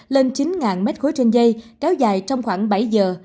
lên chín m ba trên dây kéo dài trong khoảng bảy giờ